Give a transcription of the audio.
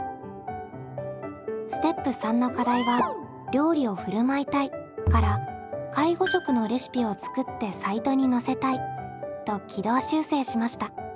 ステップ３の課題は「料理をふるまいたい」から「介護食のレシピを作ってサイトにのせたい」と軌道修正しました。